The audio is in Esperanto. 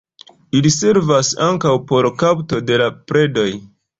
Ili servas ankaŭ por kapto de la predoj.